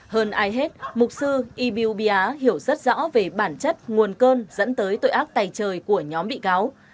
hơn ai hết mục sư ibiubia hiểu rất rõ về bản chất nguồn cơn dẫn tới tội ác tài trời của nhóm bị cáo